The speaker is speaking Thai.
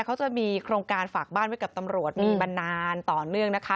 เขาจะมีโครงการฝากบ้านไว้กับตำรวจมีมานานต่อเนื่องนะคะ